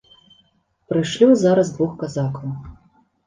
Прышлю зараз двух казакаў.